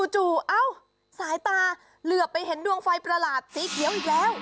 จะซ้ายตาเหลือไปเห็นดวงไฟประหลาดสีเขียว